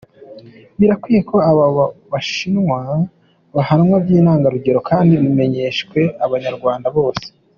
Birakwiye ko abo bashinwa bahanwa by’intangarugero kdi bimenyeshwe abanyarwanda bose.